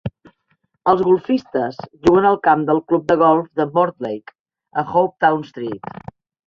Els golfistes juguen al camp del Club de Golf de Mortlake, a Hopetoun Street.